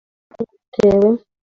Isirayeli yari yarahumye bitewe